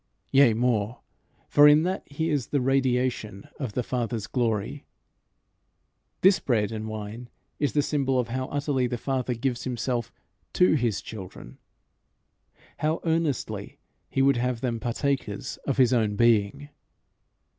Yea more; for in that he is the radiation of the Father's glory, this bread and wine is the symbol of how utterly the Father gives himself to his children, how earnestly he would have them partakers of his own being.